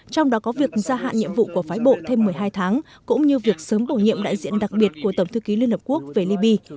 trong đó có việc gia hạn nhiệm vụ của phái bộ thêm một mươi hai tháng cũng như việc sớm bổ nhiệm đại diện đặc biệt của tổng thư ký liên hợp quốc về liby